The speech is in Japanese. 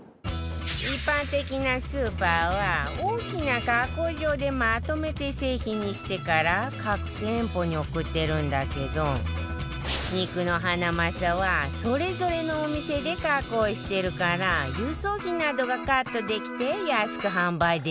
一般的なスーパーは大きな加工場でまとめて製品にしてから各店舗に送ってるんだけど肉のハナマサはそれぞれのお店で加工してるから輸送費などがカットできて安く販売できるんだって